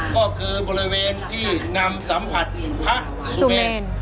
ก็คือบริเวณที่นำสัมผัสพระสุเมน